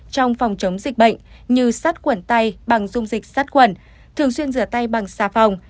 trong phòng chống dịch bệnh như sát khuẩn tay bằng dung dịch sát khuẩn thường xuyên rửa tay bằng xà phòng